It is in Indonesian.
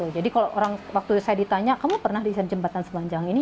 kalau orang waktu saya ditanya kamu pernah desain jembatan sepanjang ini